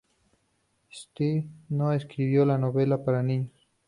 Sewell no escribió la novela para niños.